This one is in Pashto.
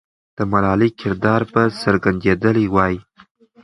د ملالۍ کردار به څرګندېدلی وو.